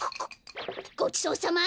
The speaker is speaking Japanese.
ごちそうさま！